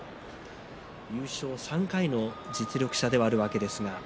優勝３回の実力者ではあるわけですが。